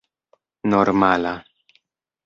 normala